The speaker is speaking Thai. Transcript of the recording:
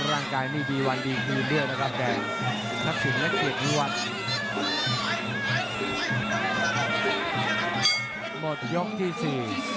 ทักสินที่ถึงมัดเข้าไป